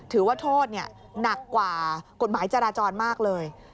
ถือว่าโทษหนักกว่ากฎหมายจราจรมากเลย